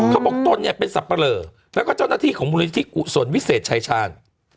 ตนเนี่ยเป็นสับปะเหลอแล้วก็เจ้าหน้าที่ของมูลนิธิกุศลวิเศษชายชาญ